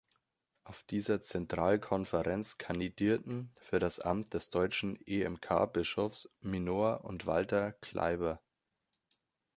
Auf dieser Zentralkonferenz kandidierten für das Amt des deutschen EmK-Bischofs Minor und Walter Klaiber.